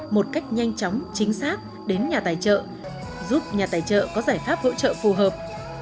một cách nhanh chóng chính xác đến nhà tài trợ giúp nhà tài trợ có giải pháp hỗ trợ phù hợp